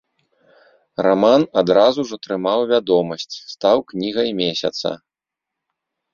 Раман адразу ж атрымаў вядомасць, стаў кнігай месяца.